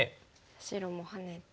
白もハネて。